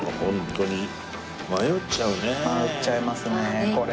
迷っちゃいますねこれは。